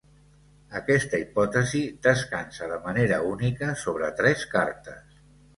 Aquesta hipòtesi descansa de manera única sobre tres cartes.